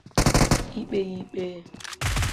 ikpe ya ikpe